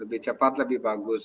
lebih cepat lebih bagus